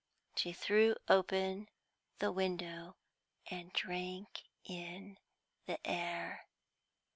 She threw open the window, and drank in the air.